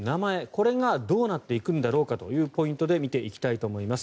これがどうなっていくんだろうかというポイントで見ていきたいと思います。